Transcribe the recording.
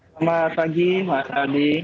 selamat pagi pak adi